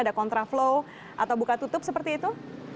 apakah mungkin ada kontra flow atau buka tutup seperti itu